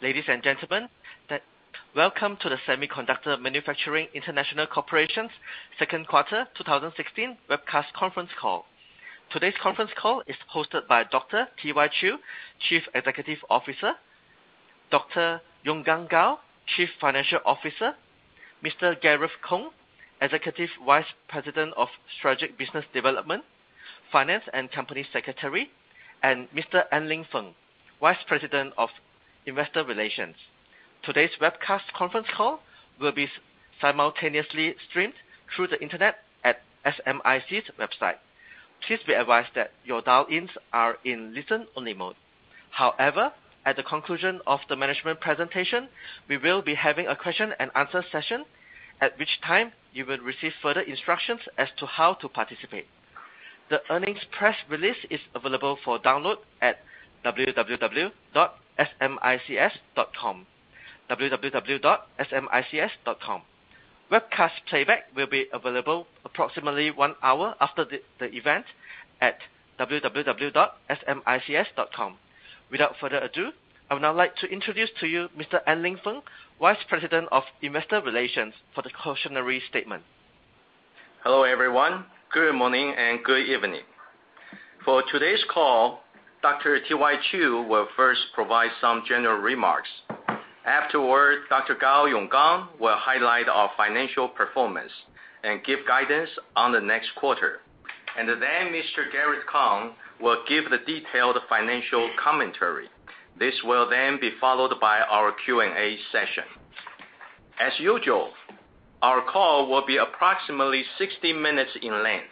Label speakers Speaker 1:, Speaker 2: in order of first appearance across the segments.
Speaker 1: Ladies and gentlemen, welcome to the Semiconductor Manufacturing International Corporation's second quarter 2016 webcast conference call. Today's conference call is hosted by Dr. T.Y. Chiu, Chief Executive Officer, Dr. Yonggang Gao, Chief Financial Officer, Mr. Gareth Kung, Executive Vice President of Strategic Business Development, Finance, and Company Secretary, and Mr. En-Ling Feng, Vice President of Investor Relations. Today's webcast conference call will be simultaneously streamed through the internet at SMIC's website. Please be advised that your dial-ins are in listen-only mode. However, at the conclusion of the management presentation, we will be having a question and answer session, at which time you will receive further instructions as to how to participate. The earnings press release is available for download at www.smics.com, www.smics.com. Webcast playback will be available approximately one hour after the event at www.smics.com. Without further ado, I would now like to introduce to you Mr. En-Ling Feng, Vice President of Investor Relations, for the cautionary statement.
Speaker 2: Hello, everyone. Good morning and good evening. For today's call, Dr. T.Y. Chiu will first provide some general remarks. Afterward, Dr. Gao Yonggang will highlight our financial performance and give guidance on the next quarter. Mr. Gareth Kung will give the detailed financial commentary. This will then be followed by our Q&A session. As usual, our call will be approximately 60 minutes in length.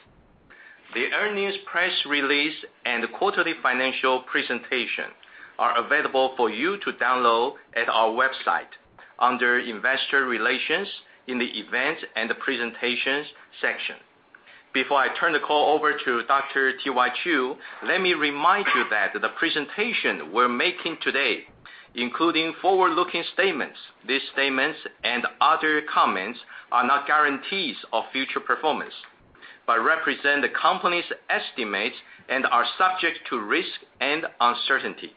Speaker 2: The earnings press release and quarterly financial presentation are available for you to download at our website under Investor Relations in the Events and Presentations section. Before I turn the call over to Dr. T.Y. Chiu, let me remind you that the presentation we're making today, including forward-looking statements. These statements and other comments are not guarantees of future performance, but represent the company's estimates and are subject to risk and uncertainty.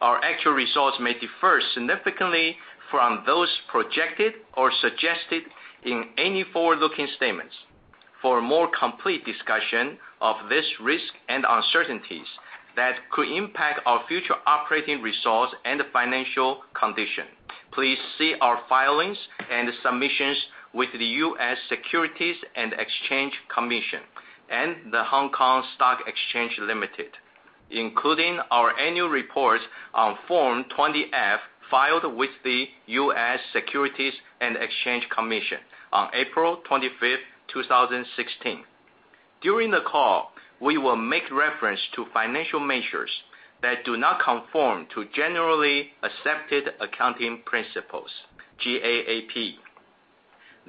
Speaker 2: Our actual results may differ significantly from those projected or suggested in any forward-looking statements. For a more complete discussion of this risk and uncertainties that could impact our future operating results and financial condition, please see our filings and submissions with the U.S. Securities and Exchange Commission and the Hong Kong Stock Exchange Limited, including our annual report on Form 20-F filed with the U.S. Securities and Exchange Commission on April 25th, 2016. During the call, we will make reference to financial measures that do not conform to generally accepted accounting principles, GAAP.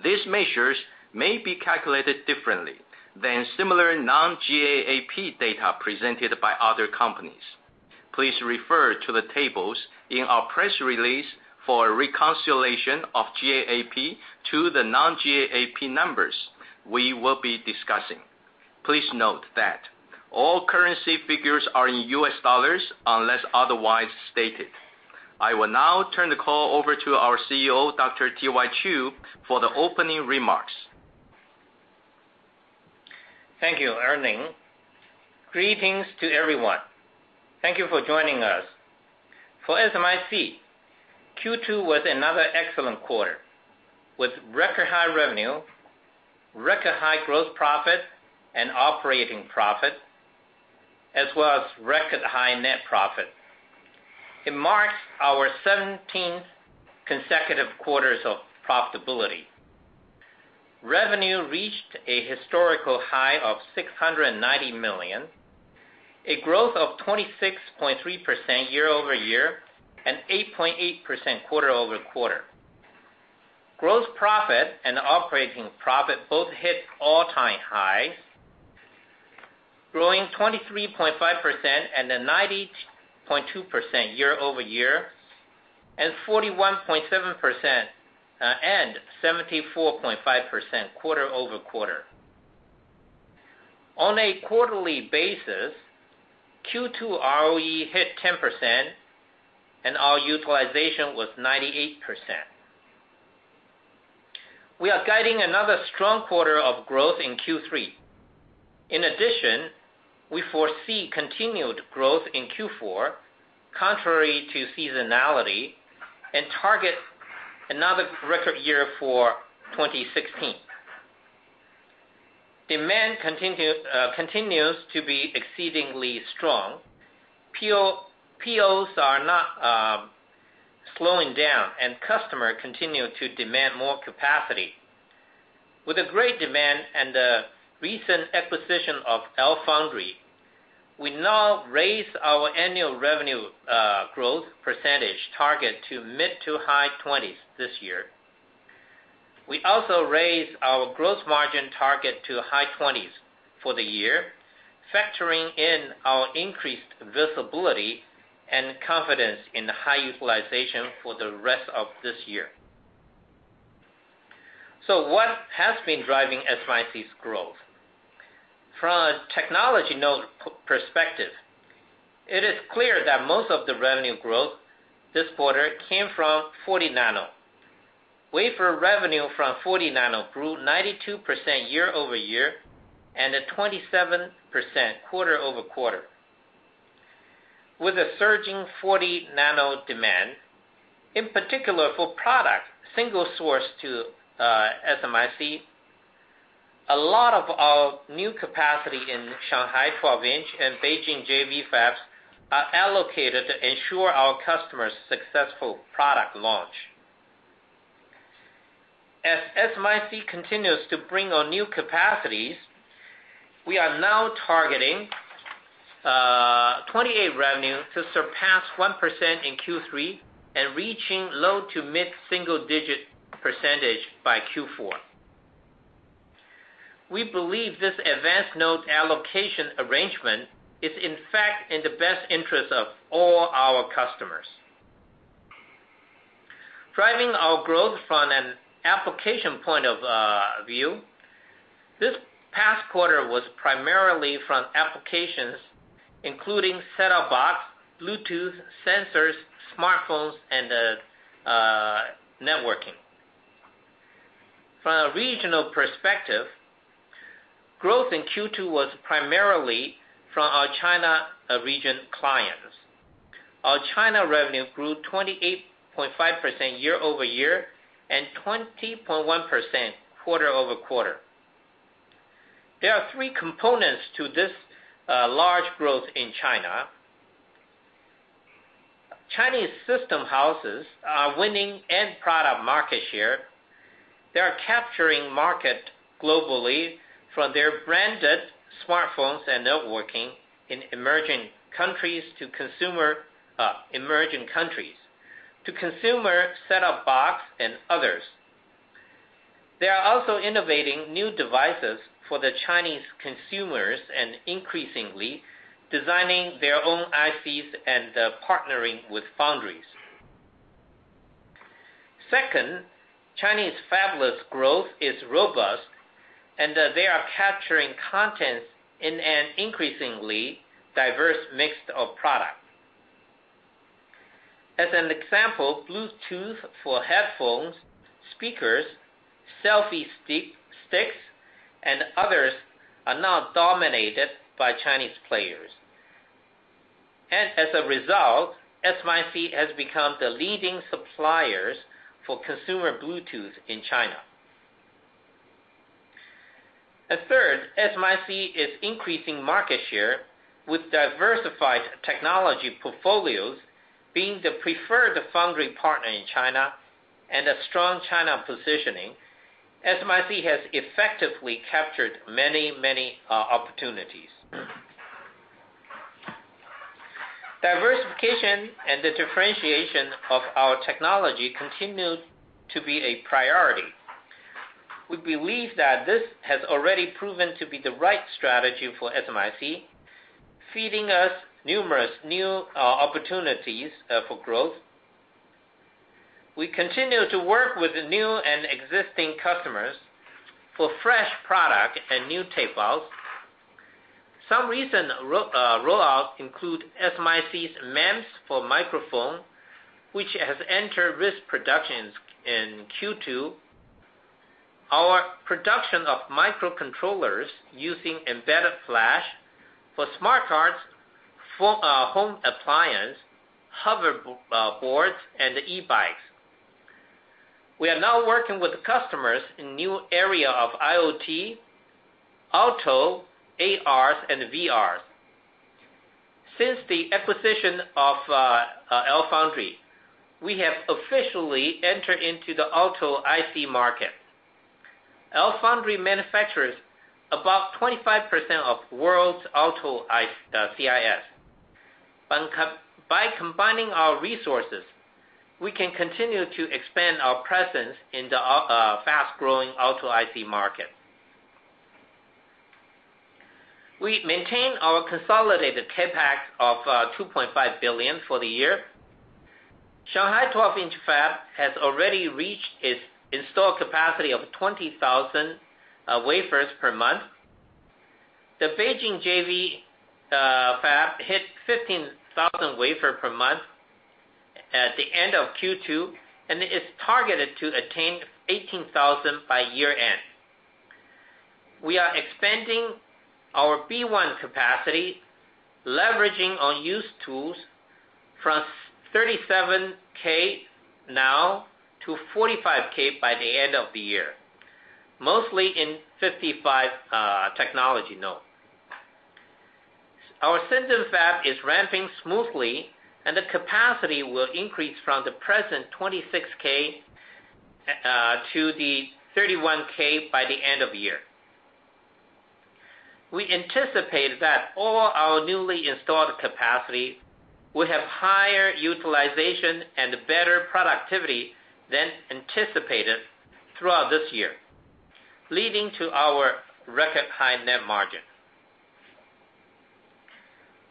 Speaker 2: These measures may be calculated differently than similar non-GAAP data presented by other companies. Please refer to the tables in our press release for a reconciliation of GAAP to the non-GAAP numbers we will be discussing. Please note that all currency figures are in US dollars unless otherwise stated. I will now turn the call over to our CEO, Dr. T.Y. Chiu, for the opening remarks.
Speaker 3: Thank you, En-Ling. Greetings to everyone. Thank you for joining us. For SMIC, Q2 was another excellent quarter, with record high revenue, record high gross profit and operating profit, as well as record high net profit. It marks our 17th consecutive quarters of profitability. Revenue reached a historical high of $690 million, a growth of 26.3% year-over-year and 8.8% quarter-over-quarter. Gross profit and operating profit both hit all-time highs, growing 23.5% and then 90.2% year-over-year, and 41.7% and 74.5% quarter-over-quarter. On a quarterly basis, Q2 ROE hit 10% and our utilization was 98%. We are guiding another strong quarter of growth in Q3. In addition, we foresee continued growth in Q4, contrary to seasonality, and target another record year for 2016. Demand continues to be exceedingly strong. POs are not slowing down and customer continue to demand more capacity. With the great demand and the recent acquisition of LFoundry, we now raise our annual revenue, growth percentage target to mid to high 20s this year. We also raise our growth margin target to high 20s for the year, factoring in our increased visibility and confidence in high utilization for the rest of this year. What has been driving SMIC's growth? From a technology node perspective, it is clear that most of the revenue growth this quarter came from 40 nano. Wafer revenue from 40 nano grew 92% year-over-year and at 27% quarter-over-quarter. With a surging 40 nano demand, in particular for product single source to SMIC, a lot of our new capacity in Shanghai 12-inch and Beijing JV fabs are allocated to ensure our customers' successful product launch. As SMIC continues to bring on new capacities, we are now targeting 28 revenue to surpass 1% in Q3 and reaching low to mid single digit percentage by Q4. We believe this advanced node allocation arrangement is in fact in the best interest of all our customers. Driving our growth from an application point of view, this past quarter was primarily from applications including set-top box, Bluetooth, sensors, smartphones, and networking. From a regional perspective, growth in Q2 was primarily from our China region clients. Our China revenue grew 28.5% year-over-year and 20.1% quarter-over-quarter. There are three components to this large growth in China. Chinese system houses are winning end product market share. They are capturing market globally from their branded smartphones and networking in emerging countries to consumer set-top box and others. They are also innovating new devices for the Chinese consumers and increasingly designing their own ICs and partnering with foundries. Second, Chinese fabless growth is robust and they are capturing contents in an increasingly diverse mix of product. As an example, Bluetooth for headphones, speakers, selfie sticks, and others are now dominated by Chinese players. As a result, SMIC has become the leading suppliers for consumer Bluetooth in China. Third, SMIC is increasing market share with diversified technology portfolios being the preferred foundry partner in China and a strong China positioning. SMIC has effectively captured many opportunities. Diversification and the differentiation of our technology continue to be a priority. We believe that this has already proven to be the right strategy for SMIC, feeding us numerous new opportunities for growth. We continue to work with new and existing customers for fresh product and new tape outs. Some recent rollouts include SMIC's MEMS for microphone, which has entered risk production in Q2. Our production of microcontrollers using embedded flash for smart cards, for home appliance, hover boards, and e-bikes. We are now working with customers in new area of IoT, auto, AR and VRs. Since the acquisition of LFoundry, we have officially entered into the auto IC market. LFoundry manufactures about 25% of world's auto CIS. By combining our resources, we can continue to expand our presence in the fast-growing auto IC market. We maintain our consolidated CapEx of $2.5 billion for the year. Shanghai 12-inch fab has already reached its installed capacity of 20,000 wafers per month. The Beijing JV fab hit 15,000 wafer per month at the end of Q2, and it is targeted to attain 18,000 by year end. We are expanding our B.1 capacity, leveraging on used tools from 37,000 now to 45,000 by the end of the year, mostly in 55nm technology node. Our Shenzhen fab is ramping smoothly, and the capacity will increase from the present 26,000 to the 31,000 by the end of the year. We anticipate that all our newly installed capacity will have higher utilization and better productivity than anticipated throughout this year, leading to our record high net margin.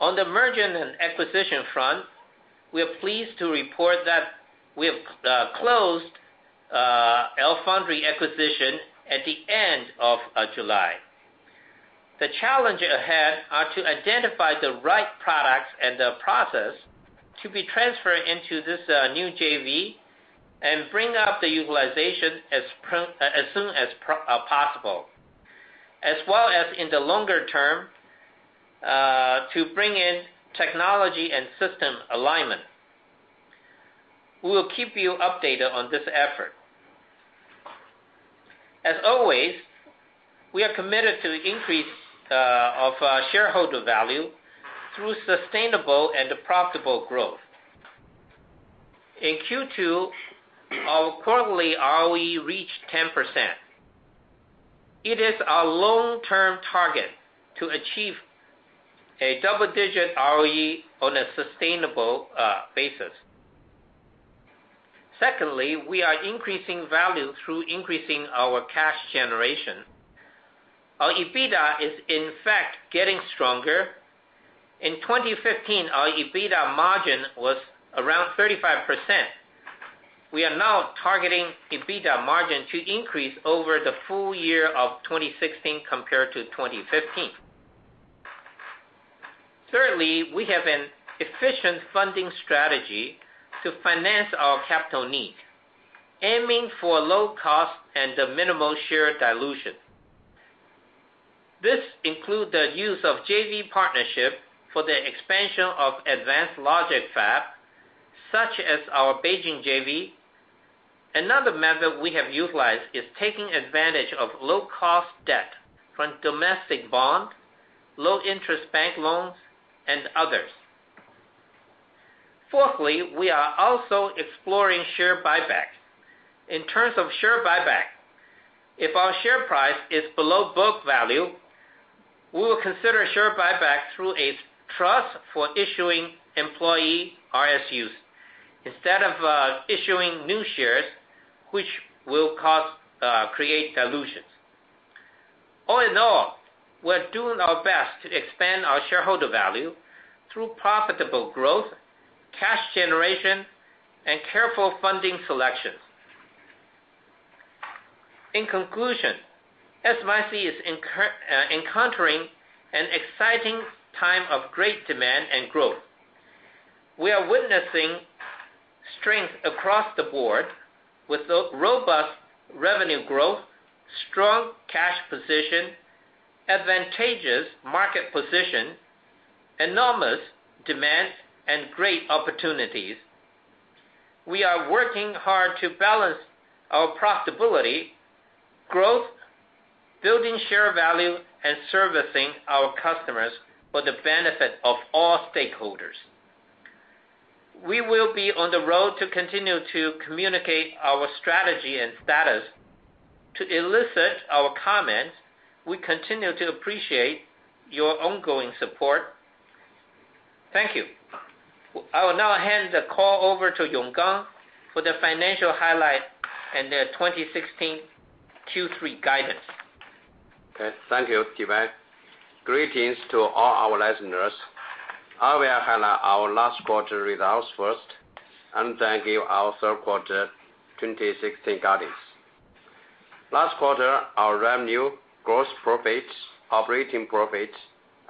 Speaker 3: On the merger and acquisition front, we are pleased to report that we have closed our foundry acquisition at the end of July. The challenge ahead are to identify the right products and the process to be transferred into this new JV and bring up the utilization as soon as possible. As well as in the longer term, to bring in technology and system alignment. We will keep you updated on this effort. As always, we are committed to increase of shareholder value through sustainable and profitable growth. In Q2, our quarterly ROE reached 10%. It is our long-term target to achieve a double-digit ROE on a sustainable basis. Secondly, we are increasing value through increasing our cash generation. Our EBITDA is in fact getting stronger. In 2015, our EBITDA margin was around 35%. We are now targeting EBITDA margin to increase over the full year of 2016 compared to 2015. Thirdly, we have an efficient funding strategy to finance our capital need, aiming for low cost and minimal share dilution. This includes the use of JV partnership for the expansion of advanced logic fab, such as our Beijing JV. Another method we have utilized is taking advantage of low-cost debt from domestic bond, low-interest bank loans, and others. Fourthly, we are also exploring share buyback. In terms of share buyback, if our share price is below book value, we will consider share buyback through a trust for issuing employee RSUs, instead of issuing new shares, which will create dilutions. All in all, we are doing our best to expand our shareholder value through profitable growth, cash generation, and careful funding selections. In conclusion, SMIC is encountering an exciting time of great demand and growth. We are witnessing strength across the board with robust revenue growth, strong cash position, advantageous market position, enormous demand, and great opportunities. We are working hard to balance our profitability, growth, building share value, and servicing our customers for the benefit of all stakeholders. We will be on the road to continue to communicate our strategy and status. To elicit our comments, we continue to appreciate your ongoing support. Thank you. I will now hand the call over to Yonggang for the financial highlight and the 2016 Q3 guidance.
Speaker 4: Okay. Thank you, [T.Y]. Greetings to all our listeners. I will highlight our last quarter results first, then give our third quarter 2016 guidance. Last quarter, our revenue, gross profits, operating profits,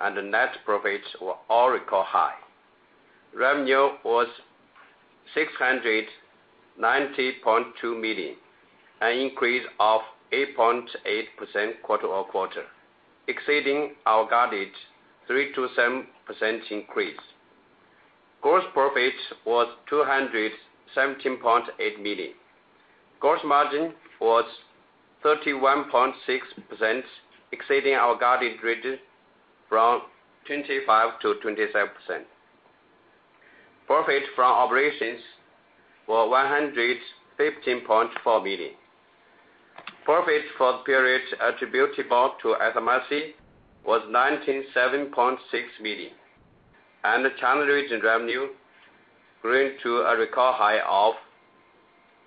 Speaker 4: and net profits were all record high. Revenue was $690.2 million, an increase of 8.8% quarter-over-quarter, exceeding our guided 3%-7% increase. Gross profit was $217.8 million. Gross margin was 31.6%, exceeding our guided rate from 25%-27%. Profit from operations were $115.4 million. Profit for the period attributable to SMIC was $97.6 million, and China region revenue grew to a record high of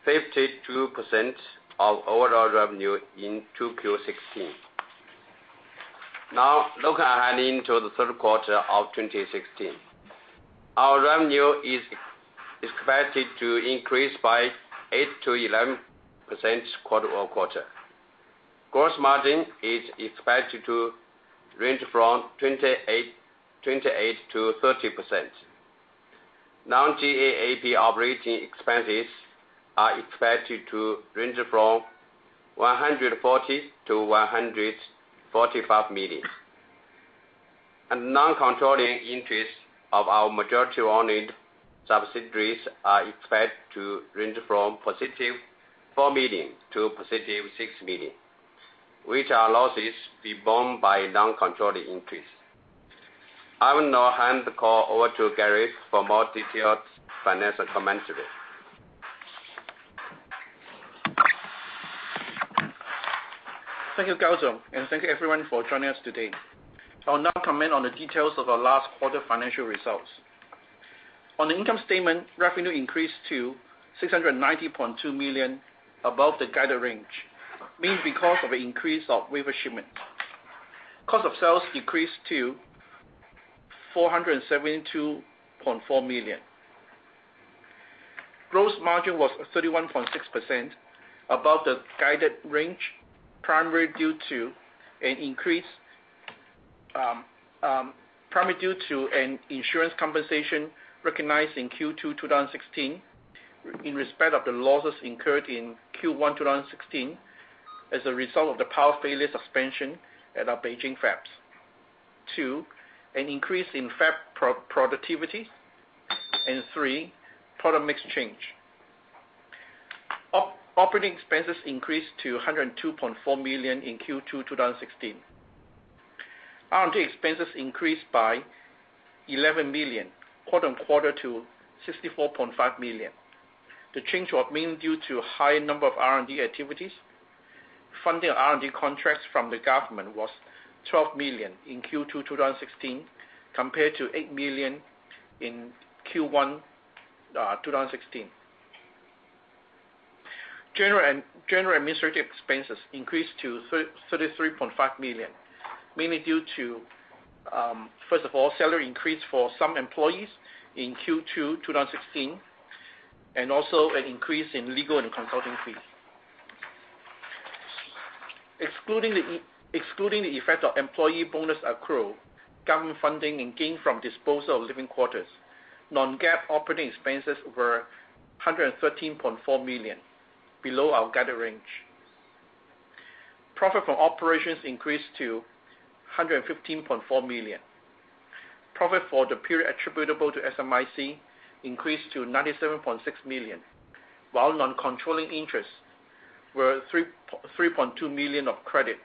Speaker 4: 52% of overall revenue in 2Q16. Looking ahead into the third quarter of 2016. Our revenue is expected to increase by 8%-11% quarter-over-quarter. Gross margin is expected to range from 28%-30%. Non-GAAP operating expenses are expected to range from $140 million-$145 million. Non-controlling interests of our majority-owned subsidiaries are expected to range from positive $4 million to positive $6 million, which are losses be borne by non-controlling interests. I will now hand the call over to Gary for more detailed financial commentary.
Speaker 5: Thank you, Gao, and thank you everyone for joining us today. I'll now comment on the details of our last quarter financial results. On the income statement, revenue increased to $690.2 million above the guided range, mainly because of an increase of wafer shipment. Cost of sales decreased to $472.4 million. Gross margin was 31.6% above the guided range, primarily due to an insurance compensation recognized in Q2 2016, in respect of the losses incurred in Q1 2016 as a result of the power failure suspension at our Beijing fabs. Two, an increase in fab productivity, and three, product mix change. Operating expenses increased to $102.4 million in Q2 2016. R&D expenses increased by $11 million quarter-on-quarter to $64.5 million. The change was mainly due to high number of R&D activities. Funding R&D contracts from the government was $12 million in Q2 2016 compared to $8 million in Q1 2016. General administrative expenses increased to $33.5 million, mainly due to, first of all, salary increase for some employees in Q2 2016, and also an increase in legal and consulting fee. Excluding the effect of employee bonus accrual, government funding, and gain from disposal of living quarters, non-GAAP operating expenses were $113.4 million, below our guided range. Profit from operations increased to $115.4 million. Profit for the period attributable to SMIC increased to $97.6 million, while non-controlling interests were $3.2 million of credit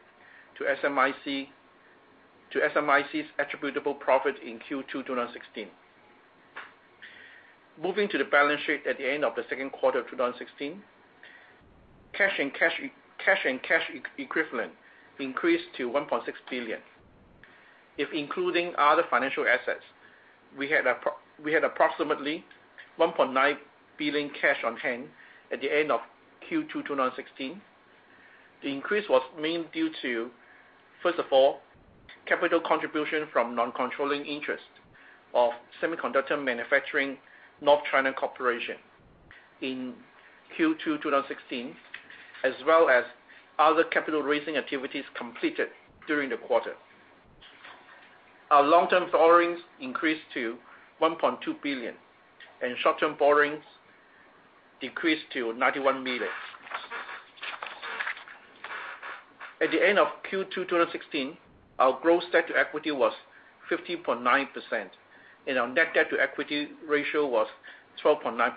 Speaker 5: to SMIC's attributable profit in Q2 2016. Moving to the balance sheet at the end of the second quarter of 2016, cash and cash equivalent increased to $1.6 billion. If including other financial assets, we had approximately $1.9 billion cash on hand at the end of Q2 2016. The increase was mainly due to, first of all, capital contribution from non-controlling interest of Semiconductor Manufacturing North China Corporation in Q2 2016, as well as other capital-raising activities completed during the quarter. Our long-term borrowings increased to $1.2 billion, and short-term borrowings decreased to $91 million. At the end of Q2 2016, our gross debt to equity was 50.9%, and our net debt to equity ratio was 12.9%.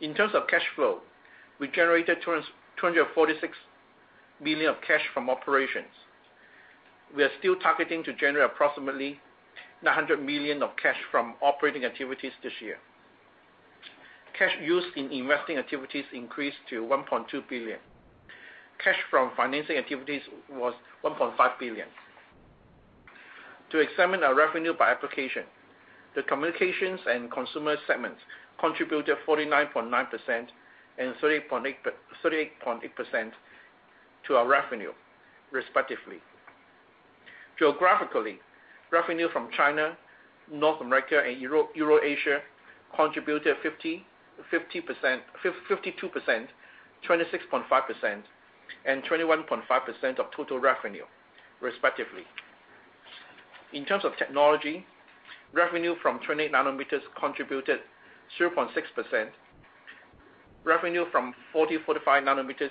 Speaker 5: In terms of cash flow, we generated $246 million of cash from operations. We are still targeting to generate approximately $900 million of cash from operating activities this year. Cash used in investing activities increased to $1.2 billion. Cash from financing activities was $1.5 billion. To examine our revenue by application, the communications and consumer segments contributed 49.9% and 38.8% to our revenue respectively. Geographically, revenue from China, North America, and Euro-Asia contributed 52%, 26.5%, and 21.5% of total revenue respectively. In terms of technology, revenue from 28 nanometers contributed 0.6%. Revenue from 40/45 nanometers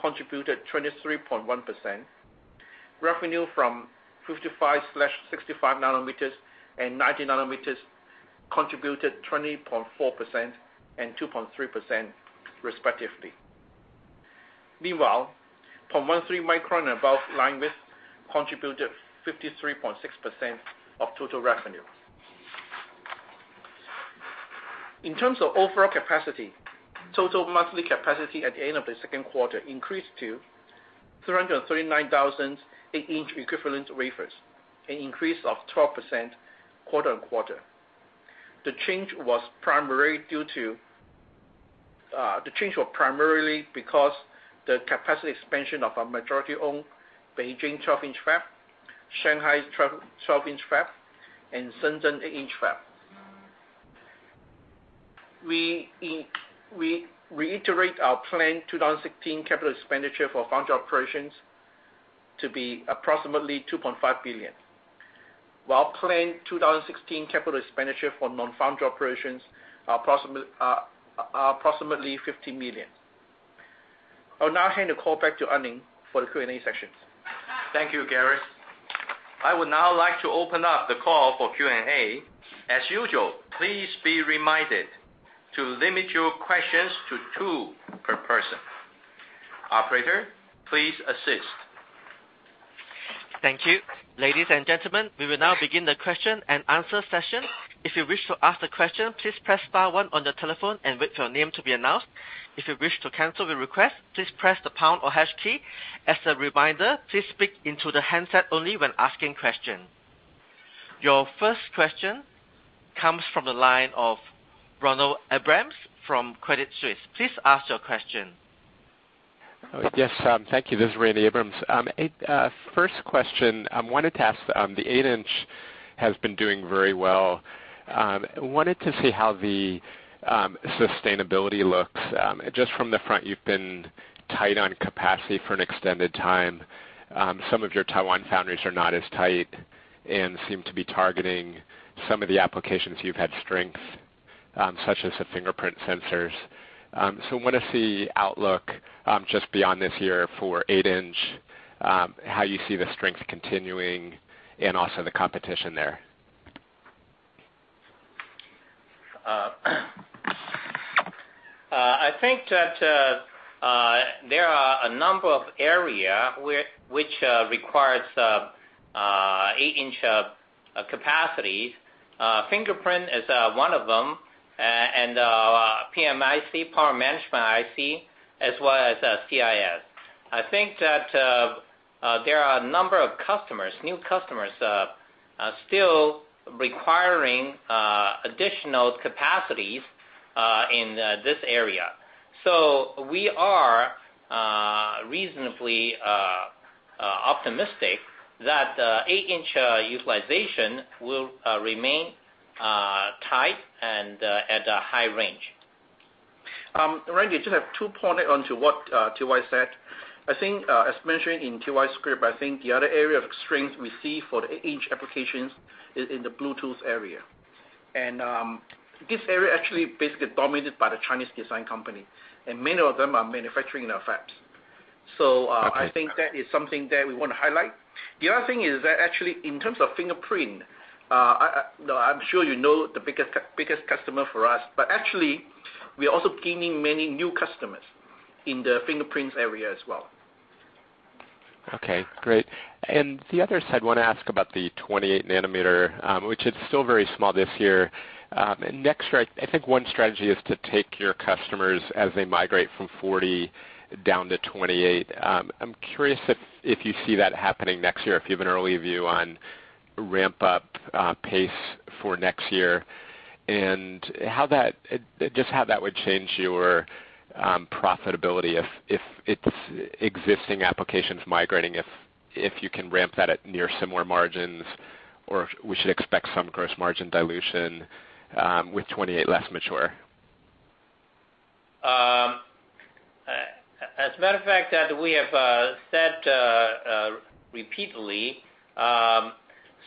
Speaker 5: contributed 23.1%. Revenue from 55/65 nanometers and 90 nanometers contributed 20.4% and 2.3% respectively. Meanwhile, 0.13 micron above line width contributed 53.6% of total revenue. In terms of overall capacity, total monthly capacity at the end of the second quarter increased to 339,000 8-inch equivalent wafers, an increase of 12% quarter-on-quarter. The change was primarily because the capacity expansion of our majority-owned Beijing 12-inch fab, Shanghai's 12-inch fab, and Shenzhen 8-inch fab. We reiterate our plan 2016 capital expenditure for foundry operations to be approximately $2.5 billion. While plan 2016 capital expenditure for non-foundry operations are approximately $50 million. I'll now hand the call back to Anling for the Q&A session.
Speaker 2: Thank you, Gareth. I would now like to open up the call for Q&A. As usual, please be reminded to limit your questions to two per person. Operator, please assist.
Speaker 1: Thank you. Ladies and gentlemen, we will now begin the question and answer session. If you wish to ask the question, please press star one on the telephone and wait for your name to be announced. If you wish to cancel the request, please press the pound or hash key. As a reminder, please speak into the handset only when asking question. Your first question comes from the line of Randy Abrams from Credit Suisse. Please ask your question.
Speaker 6: Yes. Thank you. This is Randy Abrams. First question I wanted to ask, the 8-inch has been doing very well. Wanted to see how the sustainability looks. Just from the front, you've been tight on capacity for an extended time. Some of your Taiwan foundries are not as tight and seem to be targeting some of the applications you've had strength, such as the fingerprint sensors. What is the outlook, just beyond this year for 8-inch, how you see the strength continuing and also the competition there?
Speaker 3: I think that there are a number of area which requires 8-inch capacities. Fingerprint is one of them, and PMIC, power management IC, as well as CIS. I think that there are a number of customers, new customers, still requiring additional capacities in this area. We are reasonably optimistic that 8-inch utilization will remain tight and at a high range.
Speaker 5: Randy, I just have two point onto what T.Y. said. I think, as mentioned in T.Y. script, I think the other area of strength we see for the 8-inch applications is in the Bluetooth area. This area actually basically dominated by the Chinese design company, and many of them are manufacturing in our fabs.
Speaker 6: Okay.
Speaker 5: I think that is something that we want to highlight. The other thing is that actually in terms of fingerprint, though I'm sure you know the biggest customer for us, but actually we are also gaining many new customers in the fingerprints area as well.
Speaker 6: Okay, great. The other side, want to ask about the 28 nanometers, which is still very small this year. Next, I think one strategy is to take your customers as they migrate from 40 down to 28. I'm curious if you see that happening next year, if you have an early view on ramp-up pace for next year and just how that would change your profitability if its existing applications migrating, if you can ramp that at near similar margins or we should expect some gross margin dilution with 28 less mature.
Speaker 3: As a matter of fact, that we have said repeatedly,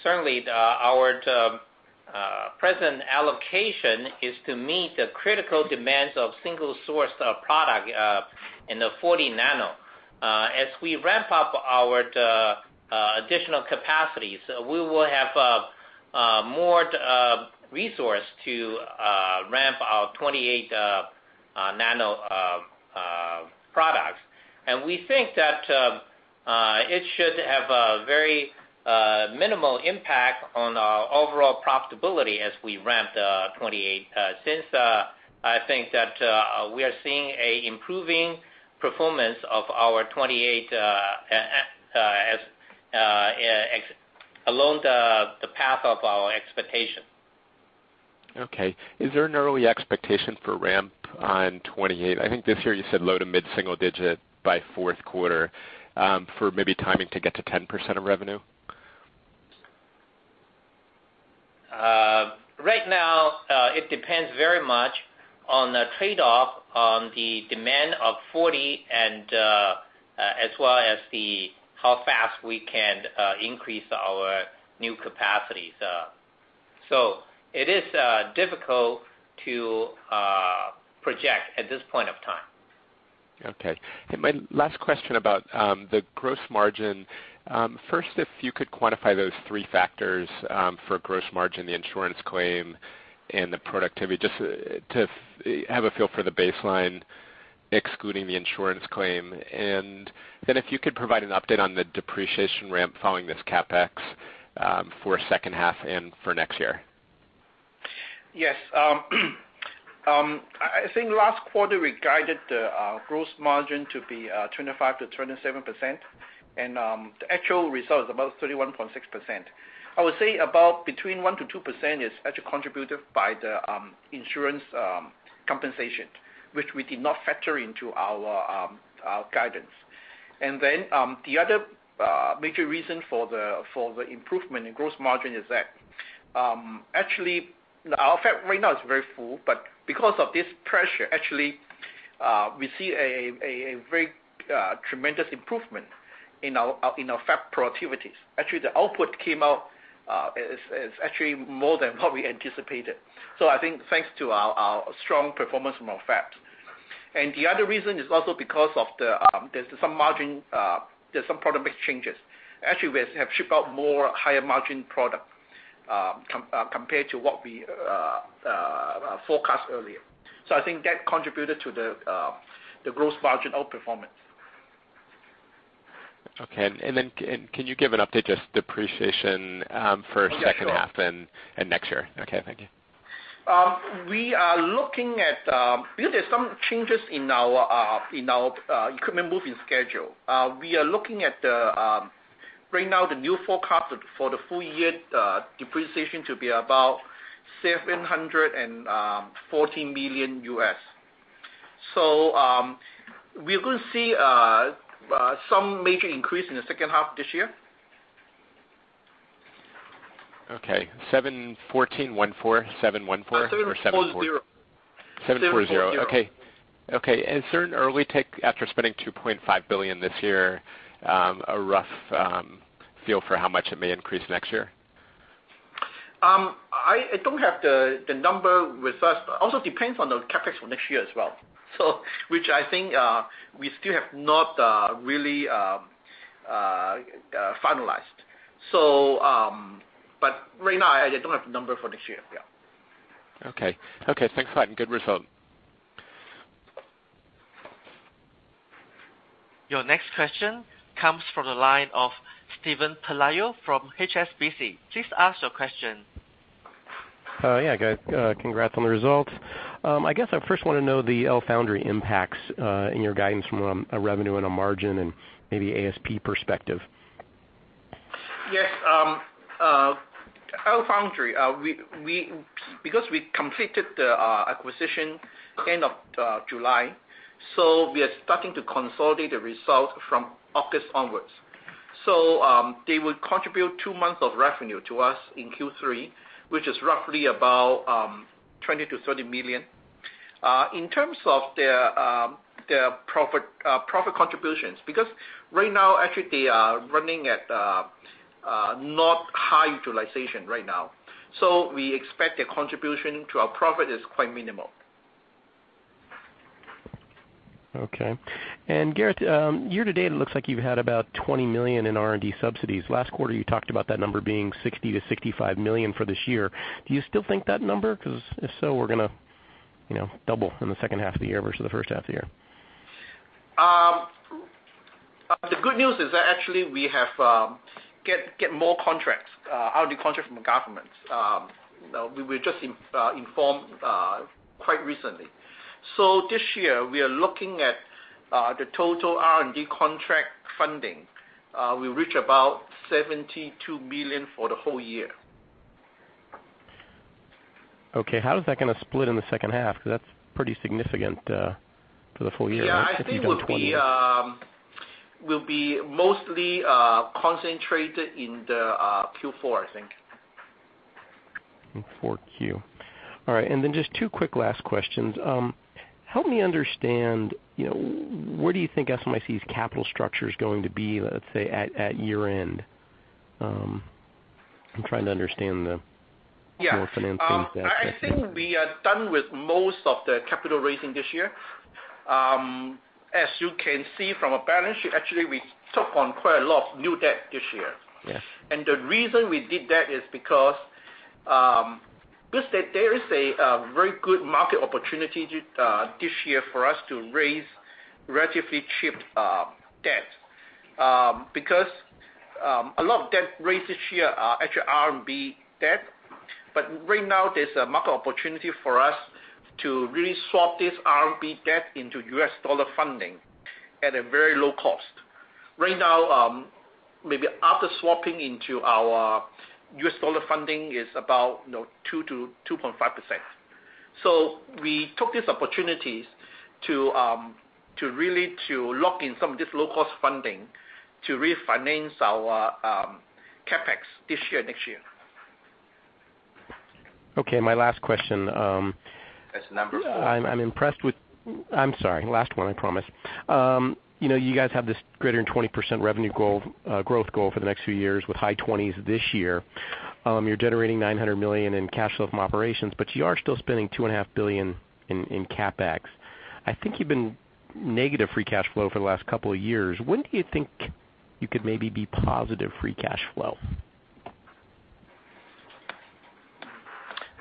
Speaker 3: certainly our present allocation is to meet the critical demands of single source of product in the 40 nano. As we ramp up our additional capacities, we will have more resource to ramp our 28 nano products. We think that it should have a very minimal impact on our overall profitability as we ramp the 28. Since, I think that we are seeing a improving performance of our 28 along the path of our expectation.
Speaker 6: Okay. Is there an early expectation for ramp on 28? I think this year you said low to mid-single digit by fourth quarter, for maybe timing to get to 10% of revenue.
Speaker 3: Right now, it depends very much on the trade-off on the demand of 40 and as well as the how fast we can increase our new capacities. It is difficult to project at this point of time.
Speaker 6: Okay. My last question about the gross margin. First, if you could quantify those three factors, for gross margin, the insurance claim and the productivity, just to have a feel for the baseline excluding the insurance claim. If you could provide an update on the depreciation ramp following this CapEx, for second half and for next year.
Speaker 5: Yes. I think last quarter, we guided the gross margin to be 25%-27%, and the actual result is about 31.6%. I would say about between 1%-2% is actually contributed by the insurance compensation, which we did not factor into our guidance. The other major reason for the improvement in gross margin is that, actually our fab right now is very full, but because of this pressure, actually, we see a very tremendous improvement in our fab productivities. Actually, the output came out is actually more than what we anticipated. I think thanks to our strong performance from our fab. The other reason is also because of the, there's some margin, there's some product mix changes. Actually, we have shipped out more higher margin product, compared to what we forecast earlier. I think that contributed to the gross margin outperformance.
Speaker 6: Okay. Can you give an update, just depreciation for second half?
Speaker 5: Yeah, sure
Speaker 6: Next year? Okay, thank you.
Speaker 5: There's some changes in our equipment moving schedule. Right now, the new forecast for the full year depreciation to be about $740 million. We're going to see some major increase in the second half this year.
Speaker 6: Okay. seven 14, one four, seven one four?
Speaker 5: seven four zero.
Speaker 6: seven four zero.
Speaker 5: seven four zero.
Speaker 6: Okay. Is there an early take after spending $2.5 billion this year, a rough feel for how much it may increase next year?
Speaker 5: I don't have the number with us. Also depends on the CapEx for next year as well. Which I think we still have not really finalized. Right now, I don't have the number for next year. Yeah.
Speaker 6: Okay. Thanks a lot. Good result.
Speaker 1: Your next question comes from the line of Steven Pelayo from HSBC. Please ask your question.
Speaker 7: Yeah, guys, congrats on the results. I guess I first want to know the LFoundry impacts, in your guidance from a revenue and a margin and maybe ASP perspective.
Speaker 5: Yes. LFoundry, because we completed the acquisition end of July, we are starting to consolidate the result from August onwards. They would contribute two months of revenue to us in Q3, which is roughly about $20-$30 million. In terms of their profit contributions, because right now actually they are running at not high utilization right now. We expect their contribution to our profit is quite minimal.
Speaker 7: Okay. Gareth, year to date, it looks like you've had about $20 million in R&D subsidies. Last quarter, you talked about that number being $60-$65 million for this year. Do you still think that number? If so, we're going to double in the second half of the year versus the first half of the year.
Speaker 5: The good news is that actually we have get more contracts, R&D contracts from the government. We were just informed quite recently. This year, we are looking at the total R&D contract funding will reach about $72 million for the whole year.
Speaker 7: Okay. How is that going to split in the second half? Because that's pretty significant to the full year, if you've done-
Speaker 5: Yeah, I think will be mostly concentrated in the Q4, I think.
Speaker 7: In 4Q. All right, just two quick last questions. Help me understand, where do you think SMIC's capital structure's going to be, let's say at year end? I'm trying to understand the-
Speaker 5: Yeah
Speaker 7: more financing side.
Speaker 5: I think we are done with most of the capital raising this year. As you can see from our balance sheet, actually, we took on quite a lot of new debt this year.
Speaker 7: Yes.
Speaker 5: The reason we did that is because, just that there is a very good market opportunity this year for us to raise relatively cheap debt. A lot of debt raised this year are actually RMB debt. Right now, there is a market opportunity for us to really swap this RMB debt into US dollar funding at a very low cost. Right now, maybe after swapping into our US dollar funding is about 2%-2.5%. We took this opportunity to really to lock in some of this low-cost funding to refinance our CapEx this year, next year.
Speaker 7: Okay, my last question.
Speaker 5: That's number 4.
Speaker 7: I'm sorry. Last one, I promise. You guys have this greater than 20% revenue growth goal for the next few years with high 20s this year. You're generating $900 million in cash flow from operations, but you are still spending $2.5 billion in CapEx. I think you've been negative free cash flow for the last couple of years. When do you think you could maybe be positive free cash flow?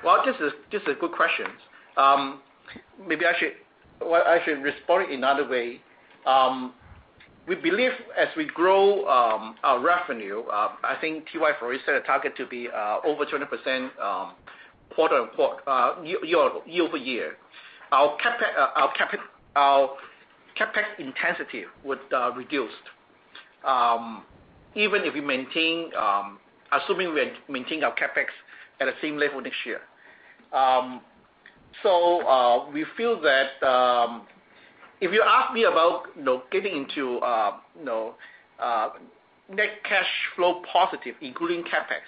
Speaker 5: Well, this is a good question. Maybe I should respond in another way. We believe as we grow our revenue, I think T.Y. already set a target to be over 20% year-over-year. Our CapEx intensity would reduce, even if we maintain, assuming we maintain our CapEx at the same level next year. We feel that, if you ask me about getting into net cash flow positive, including CapEx,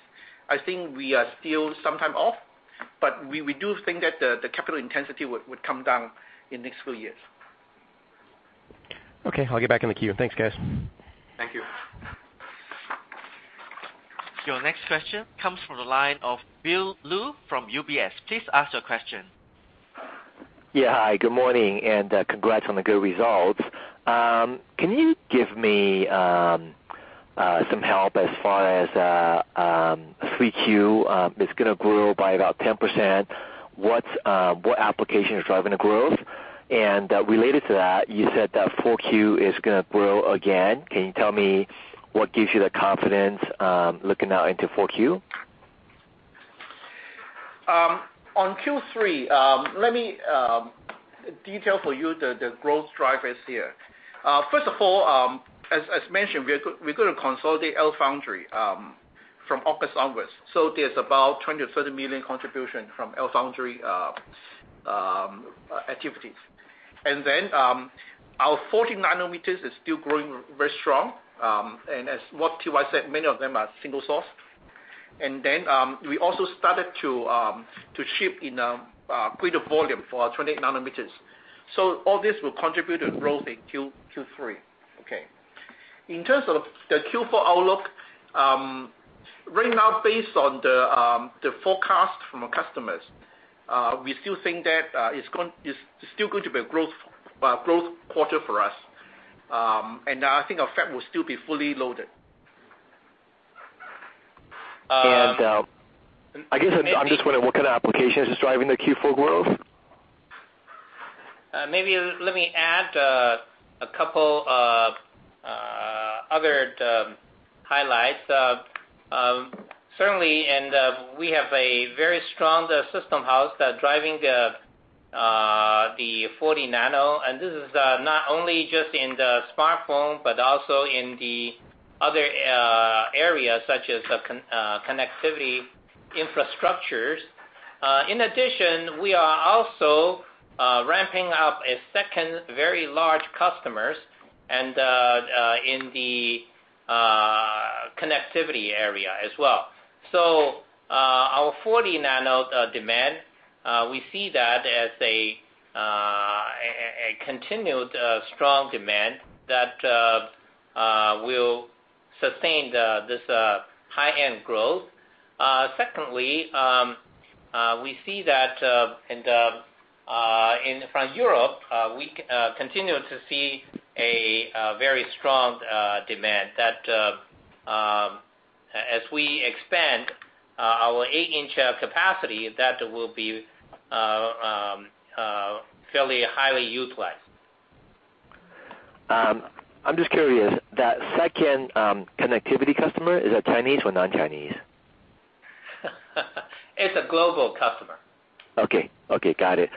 Speaker 5: I think we are still some time off. We do think that the capital intensity would come down in next few years.
Speaker 7: Okay. I'll get back in the queue. Thanks, guys.
Speaker 5: Thank you.
Speaker 1: Your next question comes from the line of Bill Lu from UBS. Please ask your question.
Speaker 8: Yeah. Hi, good morning, and congrats on the good results. Can you give me some help as far as 3Q is going to grow by about 10%? What application is driving the growth? Related to that, you said that 4Q is going to grow again. Can you tell me what gives you the confidence looking now into 4Q?
Speaker 5: On Q3, let me detail for you the growth drivers here. First of all, as mentioned, we're going to consolidate LFoundry from August onwards. There's about $20 million-$30 million contribution from LFoundry activities. Our 40 nanometers is still growing very strong, as what T.Y. said, many of them are single source. We also started to ship in greater volume for our 28 nanometers. All this will contribute to growth in Q3. Okay. In terms of the Q4 outlook, right now based on the forecast from our customers, we still think that it's still going to be a growth quarter for us. I think our fab will still be fully loaded.
Speaker 8: I guess I'm just wondering what kind of application is driving the Q4 growth?
Speaker 3: Maybe let me add a couple of other highlights. Certainly, we have a very strong system house driving the 40 nano, and this is not only just in the smartphone but also in the other areas such as connectivity infrastructures. In addition, we are also ramping up a second very large customers in the connectivity area as well. Our 40 nano demand, we see that as a continued strong demand that will sustain this high-end growth. Secondly, we see that from Europe, we continue to see a very strong demand that as we expand our 8-inch capacity, that will be fairly highly utilized.
Speaker 8: I am just curious, that second connectivity customer, is that Chinese or non-Chinese?
Speaker 3: It is a global customer.
Speaker 8: Okay. Got it.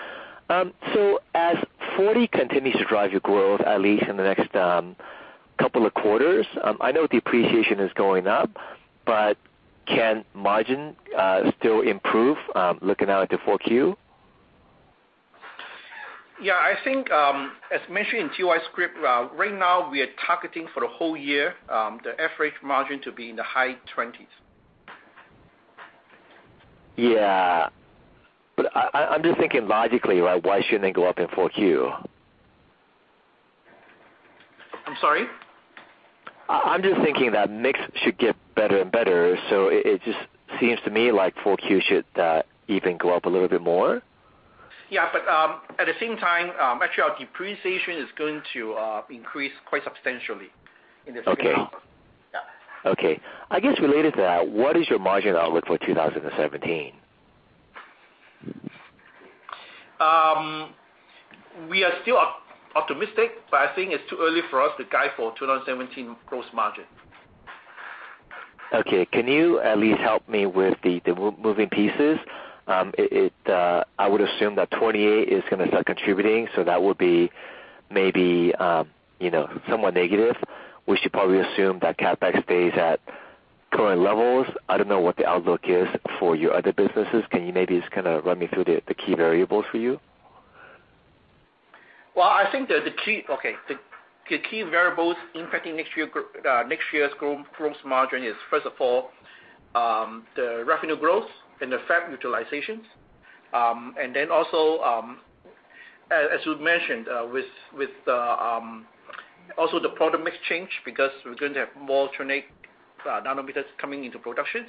Speaker 8: As 40 continues to drive your growth, at least in the next couple of quarters, I know depreciation is going up, can margin still improve looking out into 4Q?
Speaker 5: Yeah, I think, as mentioned in TY script, right now we are targeting for the whole year the average margin to be in the high 20s.
Speaker 8: Yeah. I'm just thinking logically, right, why shouldn't it go up in 4Q?
Speaker 5: I'm sorry?
Speaker 8: I'm just thinking that mix should get better and better. It just seems to me like 4Q should even go up a little bit more.
Speaker 5: At the same time, actually our depreciation is going to increase quite substantially in this coming up.
Speaker 8: Okay.
Speaker 5: Yeah.
Speaker 8: Okay. I guess related to that, what is your margin outlook for 2017?
Speaker 5: We are still optimistic, but I think it's too early for us to guide for 2017 gross margin.
Speaker 8: Okay. Can you at least help me with the moving pieces? I would assume that 28 is going to start contributing, so that would be maybe somewhat negative. We should probably assume that CapEx stays at current levels. I don't know what the outlook is for your other businesses. Can you maybe just kind of run me through the key variables for you?
Speaker 5: I think the key variables impacting next year's gross margin is, first of all, the revenue growth and the fab utilizations. Also, as you mentioned, with also the product mix change because we're going to have more 28 nanometers coming into productions.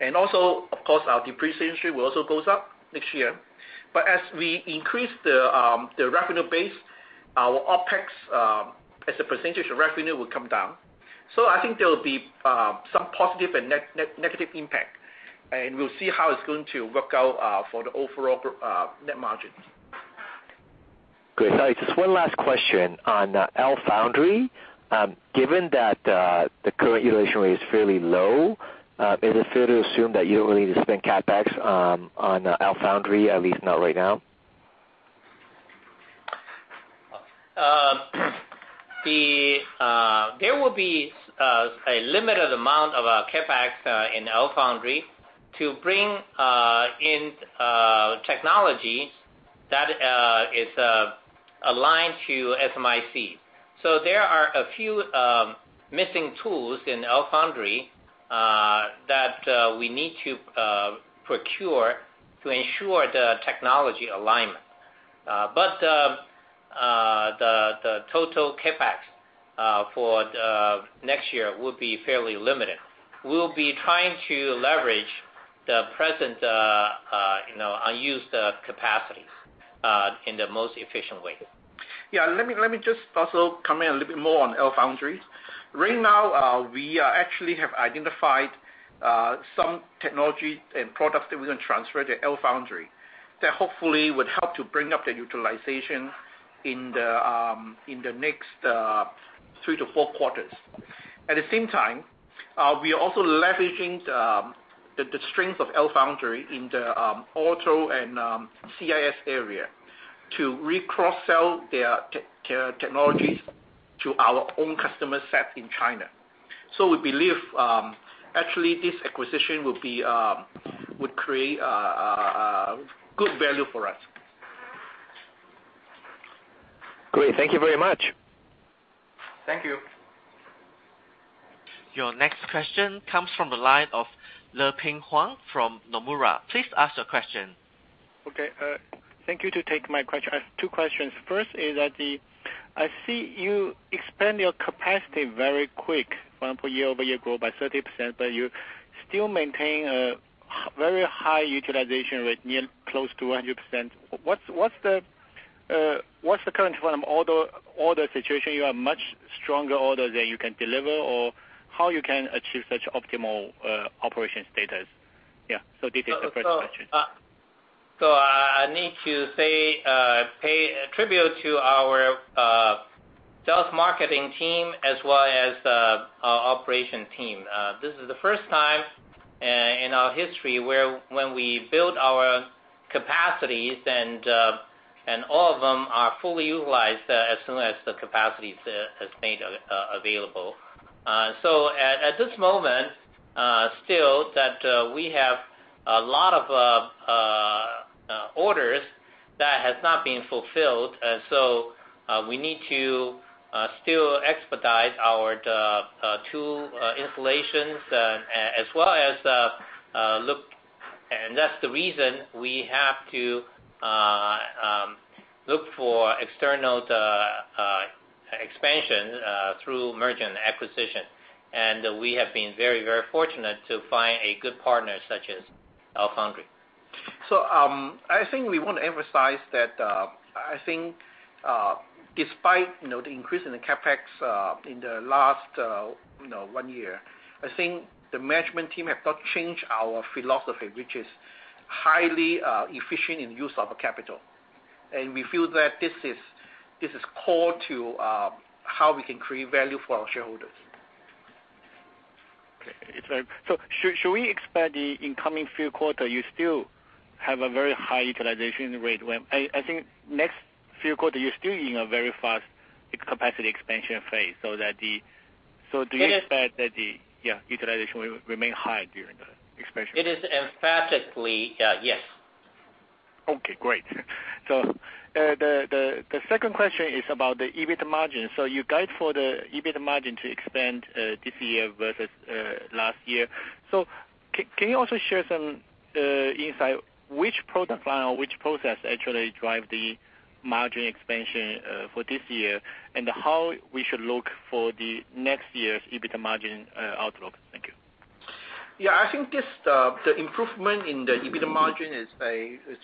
Speaker 5: Of course, our depreciation will also goes up next year. But as we increase the revenue base, our OpEx as a % of revenue will come down. I think there will be some positive and negative impact, and we'll see how it's going to work out for the overall net margin.
Speaker 8: Great. Sorry, just one last question. On LFoundry, given that the current utilization rate is fairly low, is it fair to assume that you don't need to spend CapEx on LFoundry, at least not right now?
Speaker 3: There will be a limited amount of CapEx in LFoundry to bring in technology that is aligned to SMIC. There are a few missing tools in LFoundry that we need to procure to ensure the technology alignment. The total CapEx for next year will be fairly limited. We'll be trying to leverage the present unused capacities in the most efficient way.
Speaker 5: Let me just also comment a little bit more on LFoundry. Right now, we actually have identified some technology and products that we're going to transfer to LFoundry, that hopefully would help to bring up the utilization in the next 3 to 4 quarters. At the same time, we are also leveraging the strength of LFoundry in the auto and CIS area to re-cross-sell their technologies to our own customer set in China. We believe, actually, this acquisition would create good value for us.
Speaker 8: Great. Thank you very much.
Speaker 5: Thank you.
Speaker 1: Your next question comes from the line of Leping Huang from Nomura. Please ask your question.
Speaker 9: Okay. Thank you to take my question. I have two questions. First is that the, I see you expand your capacity very quick. For example, year-over-year grow by 30%, but you still maintain a very high utilization rate, near close to 100%. What's the current, from order situation, you have much stronger orders that you can deliver, or how you can achieve such optimal operations status? Yeah. This is the first question.
Speaker 3: I need to pay a tribute to our sales marketing team as well as our operation team. This is the first time in our history where when we build our capacities, all of them are fully utilized as soon as the capacity is made available. At this moment, still that we have a lot of orders that has not been fulfilled. We need to still expedite our tool installations, that's the reason we have to look for external expansion through merger and acquisition. We have been very fortunate to find a good partner such as LFoundry.
Speaker 5: I think we want to emphasize that, I think, despite the increase in the CapEx in the last one year, I think the management team have not changed our philosophy, which is highly efficient in use of capital. We feel that this is core to how we can create value for our shareholders.
Speaker 9: Okay. Should we expect the incoming few quarter, you still have a very high utilization rate? I think next few quarter, you're still in a very fast capacity expansion phase. Do you expect that the utilization will remain high during the expansion?
Speaker 3: It is emphatically yes.
Speaker 9: Okay, great. The second question is about the EBIT margin. You guide for the EBIT margin to expand this year versus last year. Can you also share some insight, which product line or which process actually drive the margin expansion for this year, and how we should look for the next year's EBIT margin outlook? Thank you.
Speaker 5: I think this, the improvement in the EBIT margin is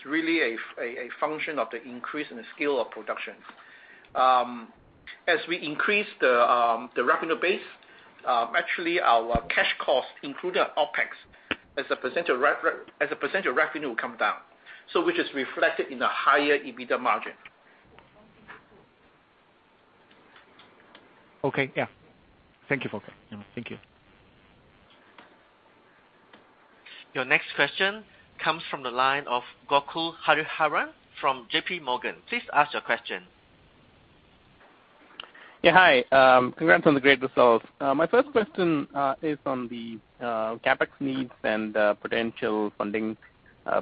Speaker 5: really a function of the increase in the scale of production. As we increase the revenue base, actually our cash cost, including OpEx, as a % of revenue will come down. Which is reflected in a higher EBIT margin.
Speaker 9: Okay. Thank you.
Speaker 1: Your next question comes from the line of Gokul Hariharan from JP Morgan. Please ask your question.
Speaker 10: Yeah. Hi. Congrats on the great results. My first question is on the CapEx needs and potential funding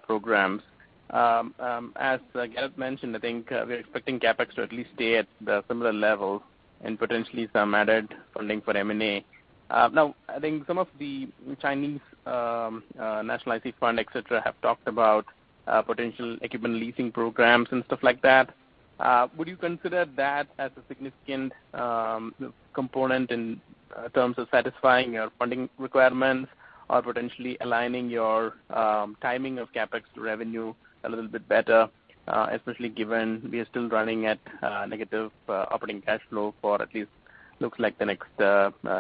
Speaker 10: programs. As Gareth mentioned, I think we're expecting CapEx to at least stay at the similar level and potentially some added funding for M&A. Now, I think some of the Chinese national IC fund, et cetera, have talked about potential equipment leasing programs and stuff like that. Would you consider that as a significant component in terms of satisfying your funding requirements or potentially aligning your timing of CapEx to revenue a little bit better? Especially given we are still running at negative operating cash flow for at least looks like the next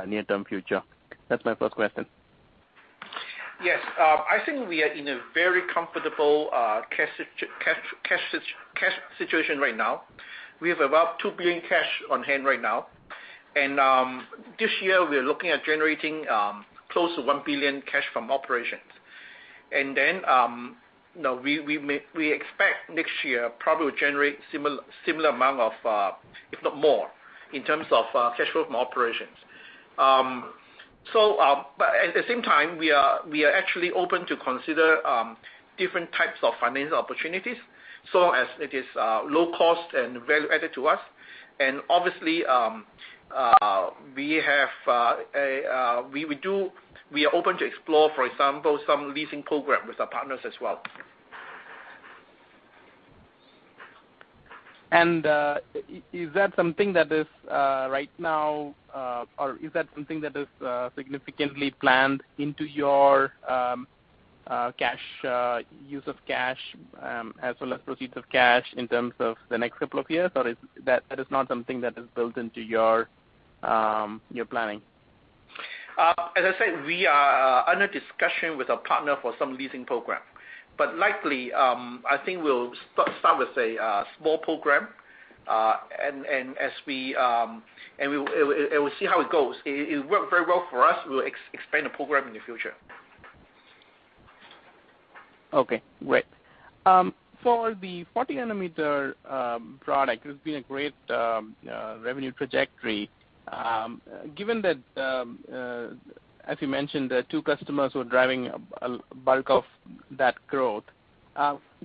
Speaker 10: near-term future. That's my first question.
Speaker 5: Yes. I think we are in a very comfortable cash situation right now. We have about $2 billion cash on hand right now. This year we are looking at generating close to $1 billion cash from operations. We expect next year probably will generate similar amount of, if not more, in terms of cash flow from operations. At the same time, we are actually open to consider different types of financial opportunities, so as it is low cost and value added to us. Obviously, we are open to explore, for example, some leasing program with our partners as well.
Speaker 10: Is that something that is right now, or is that something that is significantly planned into your cash, use of cash, as well as proceeds of cash in terms of the next couple of years, or that is not something that is built into your planning?
Speaker 5: As I said, we are under discussion with a partner for some leasing program. Likely, I think we'll start with a small program, we'll see how it goes. If it worked very well for us, we'll expand the program in the future.
Speaker 10: Okay, great. For the 40 nanometer product, there's been a great revenue trajectory. Given that, as you mentioned, the two customers were driving a bulk of that growth,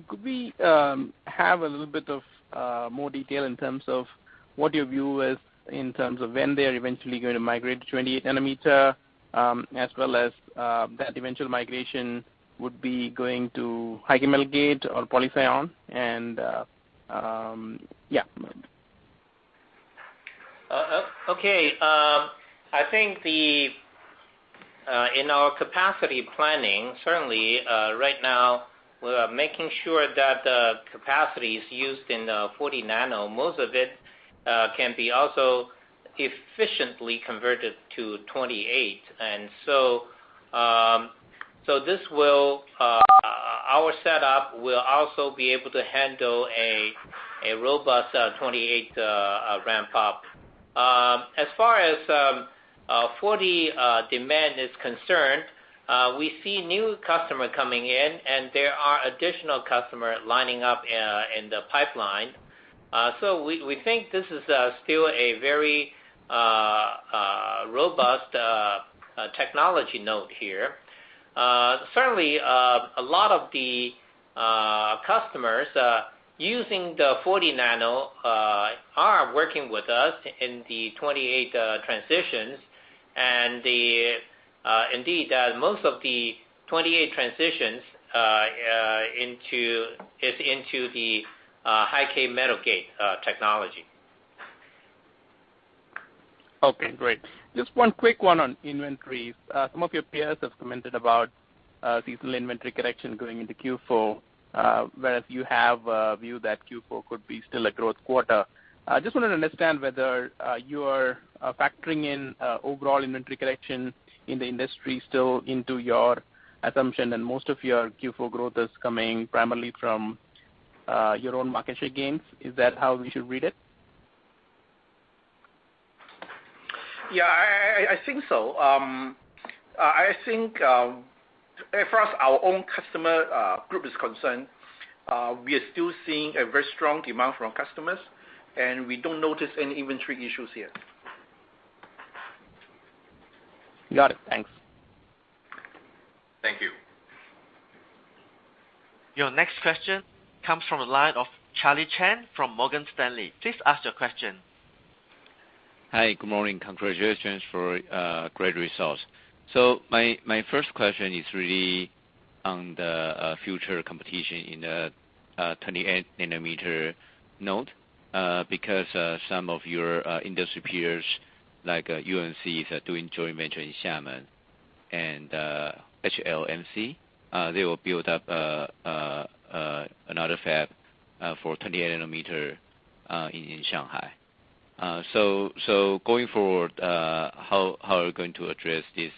Speaker 10: could we have a little bit of more detail in terms of what your view is in terms of when they are eventually going to migrate to 28 nanometer, as well as that eventual migration would be going to high-k metal gate or poly-SiON? Yeah.
Speaker 3: Okay. I think in our capacity planning, certainly right now we are making sure that the capacity is used in the 40 nano. Most of it can be also efficiently converted to 28. Our setup will also be able to handle a robust 28 ramp-up. As far as 40 demand is concerned, we see new customer coming in, and there are additional customer lining up in the pipeline. We think this is still a very robust technology node here. Certainly, a lot of the customers using the 40 nano are working with us in the 28 transitions, and indeed, most of the 28 transitions is into the high-k metal gate technology.
Speaker 10: Okay, great. Just one quick one on inventories. Some of your peers have commented about seasonal inventory correction going into Q4, whereas you have a view that Q4 could be still a growth quarter. I just wanted to understand whether you are factoring in overall inventory correction in the industry still into your assumption, and most of your Q4 growth is coming primarily from your own market share gains. Is that how we should read it?
Speaker 5: Yeah, I think so. I think as far as our own customer group is concerned, we are still seeing a very strong demand from customers, and we don't notice any inventory issues yet.
Speaker 10: Got it. Thanks.
Speaker 3: Thank you.
Speaker 1: Your next question comes from the line of Charlie Chan from Morgan Stanley. Please ask your question.
Speaker 11: Hi. Good morning. Congratulations for great results. My first question is really on the future competition in the 28 nanometer node, because some of your industry peers, like UMC, are doing joint venture in Xiamen. HLMC, they will build up another fab for 28 nanometer in Shanghai. Going forward, how are you going to address this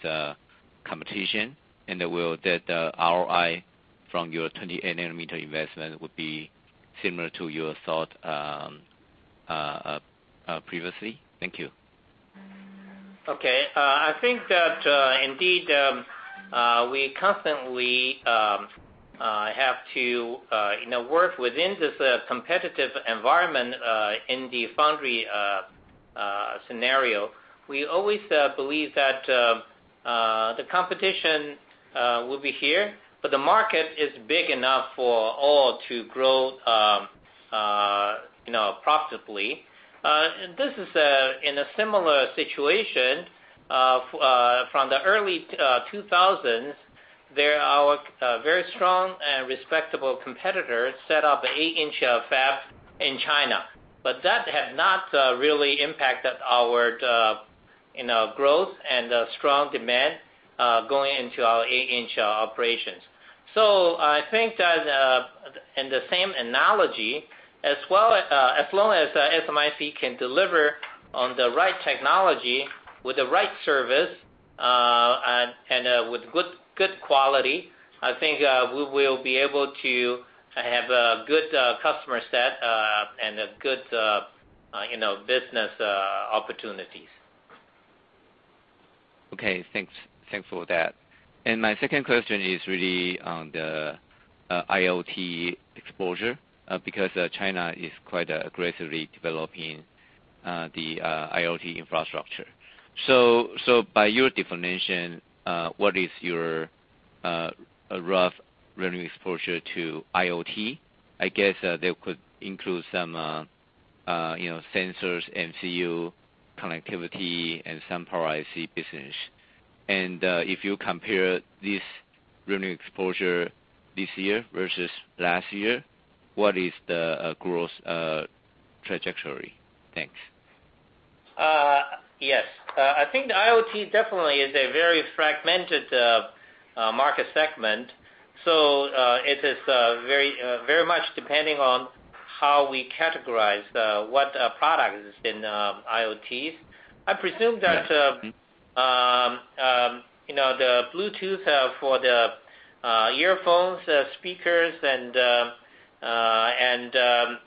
Speaker 11: competition, and will that ROI from your 28 nanometer investment would be similar to your thought previously? Thank you.
Speaker 3: Okay. I think that indeed, we constantly have to work within this competitive environment in the foundry scenario. We always believe that the competition will be here, but the market is big enough for all to grow profitably. This is in a similar situation from the early 2000s. There are very strong and respectable competitors set up 8-inch fabs in China. That has not really impacted our growth and strong demand going into our 8-inch operations. I think that in the same analogy, as long as SMIC can deliver on the right technology with the right service and with good quality, I think we will be able to have a good customer set and good business opportunities.
Speaker 11: Okay. Thanks for that. My second question is really on the IoT exposure, because China is quite aggressively developing the IoT infrastructure. By your definition, what is your rough revenue exposure to IoT? I guess that could include some sensors, MCU, connectivity, and some power IC business. If you compare this revenue exposure this year versus last year, what is the growth trajectory? Thanks.
Speaker 3: Yes. I think the IoT definitely is a very fragmented market segment. It is very much depending on how we categorize what product is in IoT.
Speaker 11: Yes.
Speaker 3: Bluetooth for the earphones, speakers, and a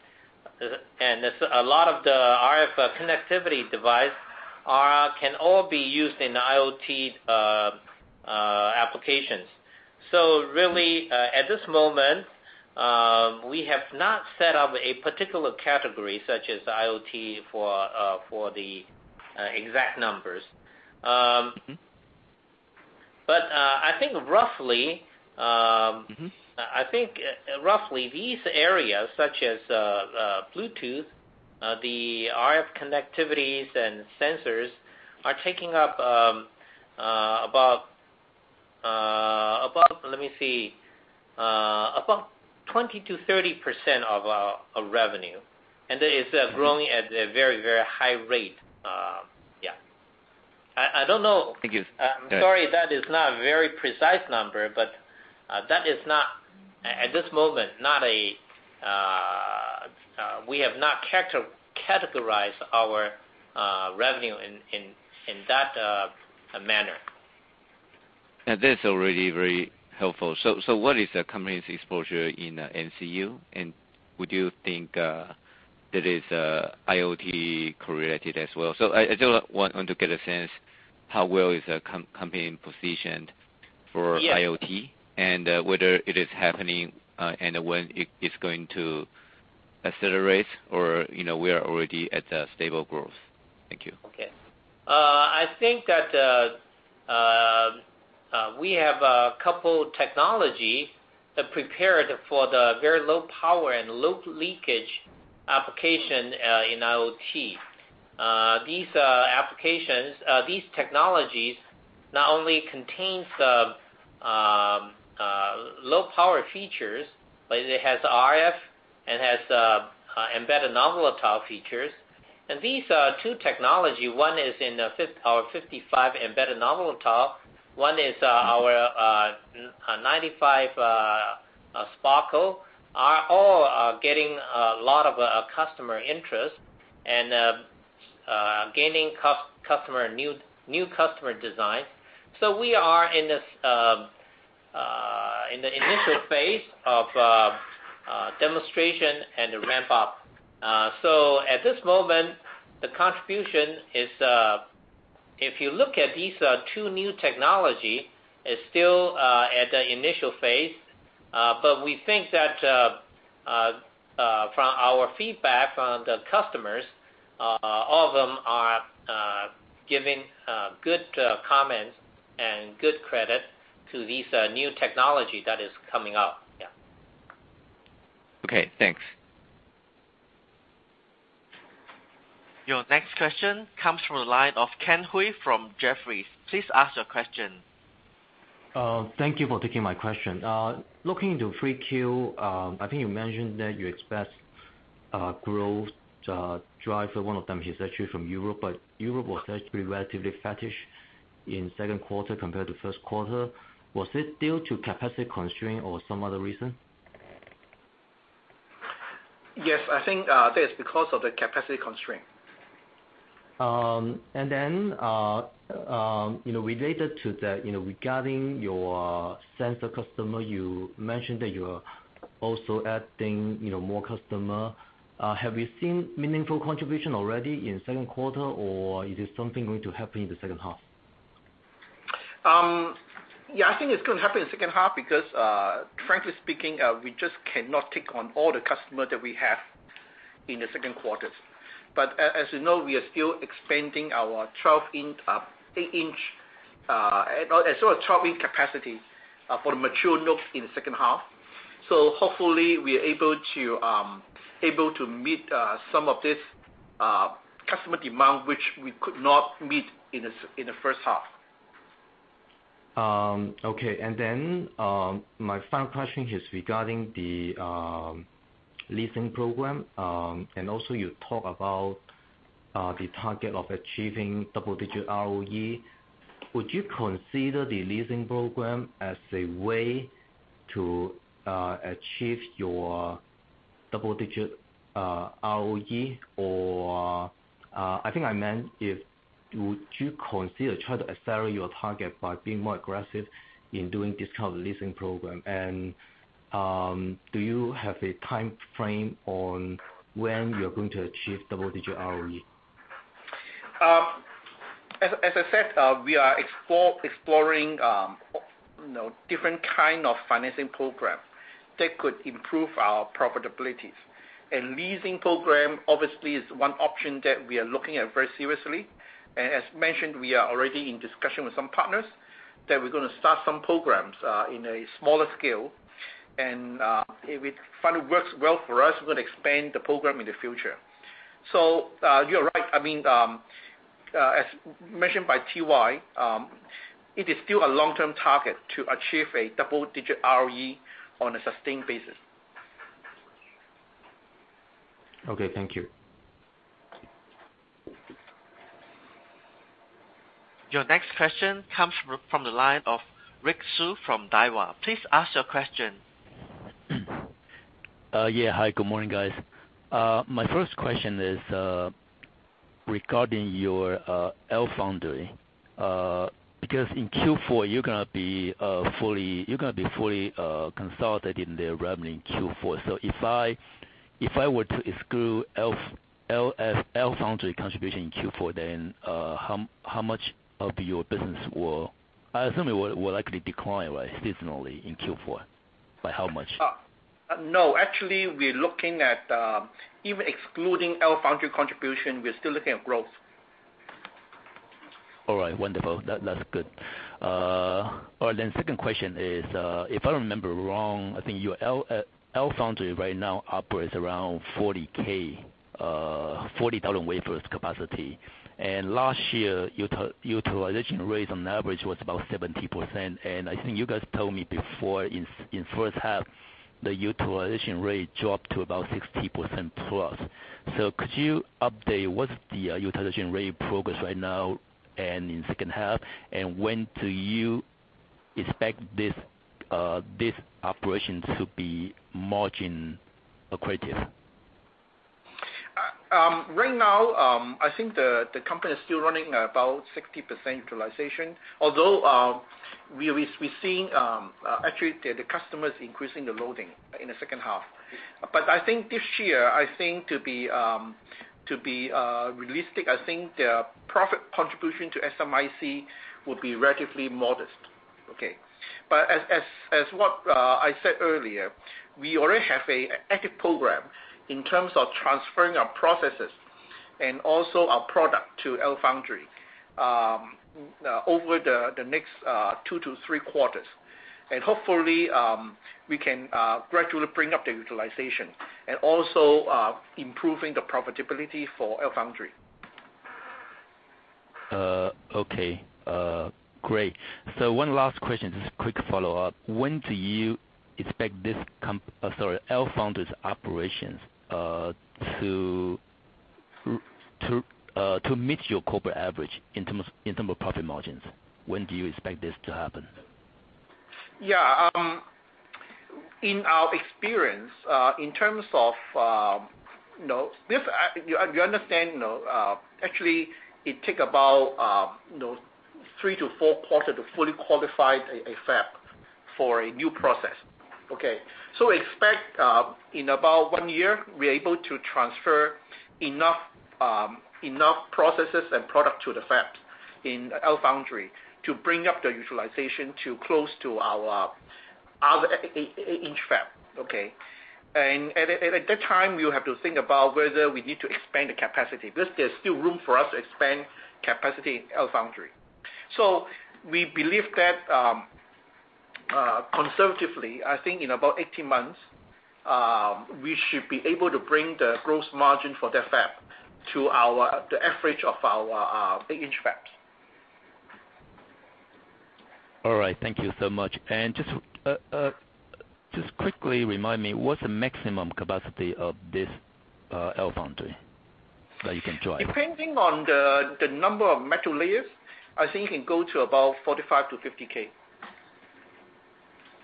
Speaker 3: lot of the RF connectivity device can all be used in IoT applications. Really, at this moment, we have not set up a particular category such as IoT for the exact numbers. I think roughly. These areas such as Bluetooth, the RF connectivities and sensors are taking up about, let me see, 20%-30% of revenue. It is growing at a very high rate. Yeah. I don't know.
Speaker 11: Thank you.
Speaker 3: I'm sorry, that is not a very precise number. At this moment, we have not categorized our revenue in that manner.
Speaker 11: That's already very helpful. What is the company's exposure in MCU, and would you think that is IoT correlated as well? I want to get a sense how well is the company positioned for IoT and whether it is happening, and when it is going to accelerate or we are already at stable growth. Thank you.
Speaker 3: Okay. I think that we have a couple technology prepared for the very low power and low leakage application in IoT. These technologies not only contains low power features, but it has RF and has embedded non-volatile features. These two technology, one is in our 55nm embedded non-volatile, one is our 95nm SPOCULL, are all getting a lot of customer interest and gaining new customer design. We are in the initial phase of demonstration and ramp up. At this moment, the contribution is, if you look at these two new technology, is still at the initial phase. We think that from our feedback from the customers, all of them are giving good comments and good credit to these new technology that is coming out. Yeah.
Speaker 11: Okay, thanks.
Speaker 1: Your next question comes from the line of Ken Hui from Jefferies. Please ask your question.
Speaker 12: Thank you for taking my question. Looking into 3Q, I think you mentioned that you expect growth driver, one of them is actually from Europe. Europe was actually relatively flattish in second quarter compared to first quarter. Was it due to capacity constraint or some other reason?
Speaker 3: Yes, I think that is because of the capacity constraint.
Speaker 12: Related to that, regarding your sensor customer, you mentioned that you are also adding more customer. Have you seen meaningful contribution already in second quarter, or is there something going to happen in the second half?
Speaker 3: I think it's going to happen in second half because, frankly speaking, we just cannot take on all the customers that we have in the second quarters. As you know, we are still expanding our 12-inch capacity for the mature node in the second half. Hopefully, we are able to meet some of this customer demand, which we could not meet in the first half.
Speaker 12: My final question is regarding the leasing program. Also, you talk about the target of achieving double-digit ROE. Would you consider the leasing program as a way to achieve your double-digit ROE? I think I meant, would you consider trying to accelerate your target by being more aggressive in doing discount leasing program? Do you have a timeframe on when you're going to achieve double-digit ROE?
Speaker 3: As I said, we are exploring different kind of financing program that could improve our profitabilities. Leasing program, obviously, is one option that we are looking at very seriously. As mentioned, we are already in discussion with some partners that we're going to start some programs in a smaller scale. If it works well for us, we're going to expand the program in the future. You're right. As mentioned by T.Y., it is still a long-term target to achieve a double-digit ROE on a sustained basis.
Speaker 5: Thank you.
Speaker 1: Your next question comes from the line of Rick Hsu from Daiwa. Please ask your question.
Speaker 13: Yeah. Hi, good morning, guys. My first question is regarding your LFoundry, because in Q4, you're going to be fully consolidated in the revenue in Q4. If I were to exclude LFoundry contribution in Q4, how much of your business will I assume it will likely decline, right, seasonally in Q4, by how much?
Speaker 5: No. Actually, we're looking at even excluding LFoundry contribution, we're still looking at growth.
Speaker 13: All right. Wonderful. That's good. Second question is, if I remember wrong, I think your LFoundry right now operates around 40,000 wafers capacity. Last year, utilization rates on average was about 70%. I think you guys told me before in the first half, the utilization rate dropped to about 60% plus. Could you update what's the utilization rate progress right now and in the second half? When do you expect this operation to be margin accretive?
Speaker 5: Right now, I think the company is still running about 60% utilization. We're seeing, actually, the customers increasing the loading in the second half. I think this year, to be realistic, I think their profit contribution to SMIC will be relatively modest, okay? As what I said earlier, we already have an active program in terms of transferring our processes and also our product to LFoundry over the next two to three quarters. Hopefully, we can gradually bring up the utilization and also improving the profitability for LFoundry.
Speaker 13: Okay. Great. One last question, just a quick follow-up. When do you expect LFoundry's operations to meet your corporate average in terms of profit margins? When do you expect this to happen?
Speaker 5: Yeah. In our experience, you understand, actually, it takes about three to four quarters to fully qualify a fab for a new process, okay? Expect in about one year, we're able to transfer enough processes and product to the fab in LFoundry to bring up the utilization to close to our other 8-inch fab, okay? At that time, we'll have to think about whether we need to expand the capacity. Because there's still room for us to expand capacity in LFoundry. We believe that, conservatively, I think in about 18 months, we should be able to bring the gross margin for that fab to the average of our 8-inch fabs.
Speaker 13: All right. Thank you so much. Just quickly remind me, what's the maximum capacity of this LFoundry that you can drive?
Speaker 5: Depending on the number of metal layers, I think it can go to about 45K-50K.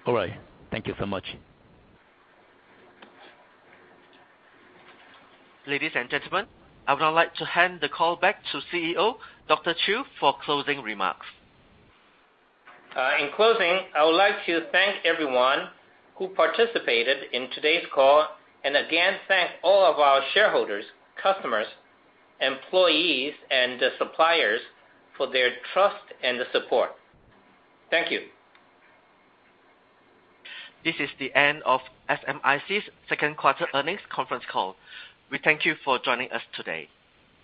Speaker 13: All right. Thank you so much.
Speaker 1: Ladies and gentlemen, I would now like to hand the call back to CEO, Dr. Chiu, for closing remarks.
Speaker 3: In closing, I would like to thank everyone who participated in today's call, and again, thank all of our shareholders, customers, employees, and suppliers for their trust and support. Thank you.
Speaker 1: This is the end of SMIC's second quarter earnings conference call. We thank you for joining us today.